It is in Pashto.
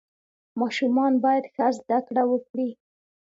ماشومان باید ښه زده کړه وکړي.